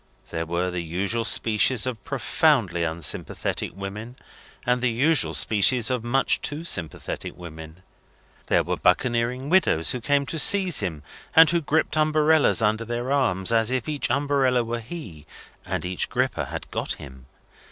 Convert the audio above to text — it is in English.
There were the usual species of profoundly unsympathetic women, and the usual species of much too sympathetic women. There were buccaneering widows who came to seize him, and who griped umbrellas under their arms, as if each umbrella were he, and each griper had got him.